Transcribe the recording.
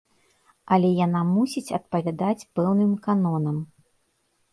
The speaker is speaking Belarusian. Але яна мусіць адпавядаць пэўным канонам.